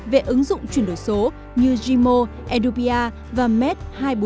về ứng dụng chuyển đổi số như gimo edupea và med hai trăm bốn mươi bảy